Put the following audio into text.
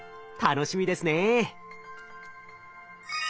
楽しみですね。